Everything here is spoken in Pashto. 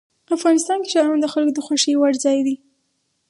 افغانستان کې ښارونه د خلکو د خوښې وړ ځای دی.